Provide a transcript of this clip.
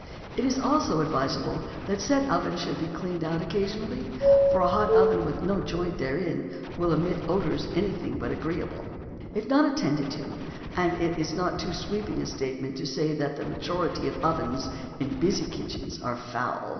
It is also advisable that said oven should be cleaned out occasionally; for a hot oven with no joint therein will emit odours anything but agreeable, if not attended to; and it is not too sweeping a statement to say that the majority of ovens in busy kitchens are foul.